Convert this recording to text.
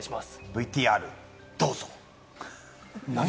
ＶＴＲ、どうぞ。